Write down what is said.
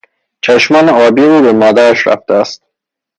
چشمان آبی او به مادرش رفته است.